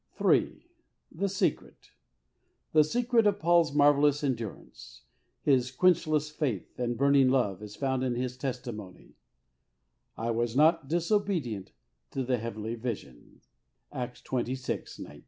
III. The secret. The secret of Paul's marvellous endur ance, his quenchless faith and burning love is found in his testimony, " I was not disobedient to the heavenly vision " {Acts xxvi.